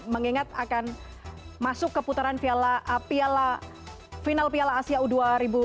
mengingat akan masuk keputaran final piala asia u dua puluh dua ribu dua puluh tiga